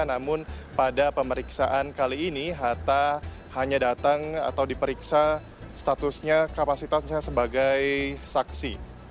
namun pada pemeriksaan kali ini hatta hanya datang atau diperiksa statusnya kapasitasnya sebagai saksi